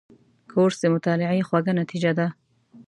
کورس د مطالعې خوږه نتیجه ده.